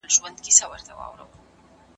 چېري د ځنګلونو وهل غیر قانوني دي؟